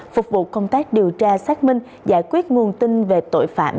phục vụ công tác điều tra xác minh giải quyết nguồn tin về tội phạm